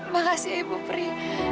makasih ibu pri